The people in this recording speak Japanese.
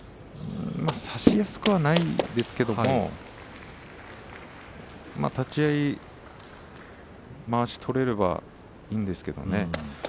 差しやすくはありませんが立ち合い、まわしが取れればいいんですけどね。